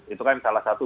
itu kan salah satu